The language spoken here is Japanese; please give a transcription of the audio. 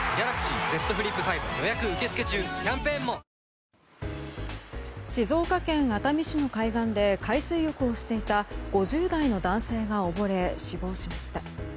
ニトリ静岡県熱海市の海岸で海水浴をしていた５０代の男性が溺れ死亡しました。